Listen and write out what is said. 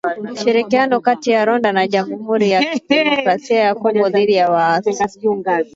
Ushirikiano kati ya Rwanda na Jamuhuri ya Demokrasia ya Kongo dhidi ya waasi